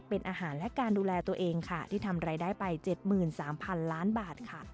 เป็นอาหารและการดูแลตัวเองค่ะที่ทำรายได้ไปเจ็ดหมื่นสามพันล้านบาทค่ะ